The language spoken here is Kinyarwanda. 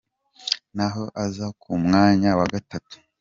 naho aza ku mwanya wa gatatu.